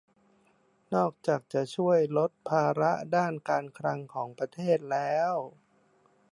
นอกจากจะช่วยลดภาระด้านการคลังของประเทศแล้ว